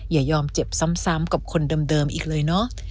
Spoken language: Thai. อย่ายอมเจ็บซ้ำกับคนเดิมอีกเลยเนาะ